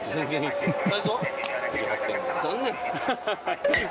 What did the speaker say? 残念。